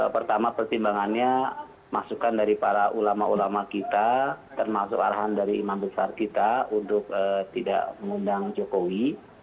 pertama pertimbangannya masukan dari para ulama ulama kita termasuk arahan dari imam besar kita untuk tidak mengundang jokowi